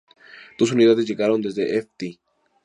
Dos unidades llegaron desde Ft.